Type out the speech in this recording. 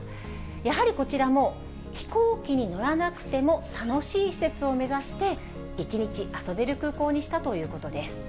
やはりこちらも、飛行機に乗らなくても楽しい施設を目指して、一日遊べる空港にしたということです。